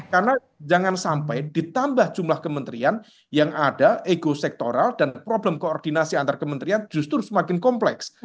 karena jangan sampai ditambah jumlah kementerian yang ada ego sektoral dan problem koordinasi antar kementerian justru semakin kompleks